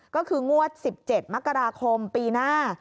ก็คืองวด๑๗มกราคมปีหน้า